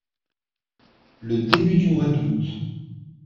Le début du mois d’août.